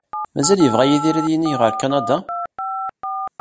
Mazal yebɣa Yidir ad yinig ɣer Kanada?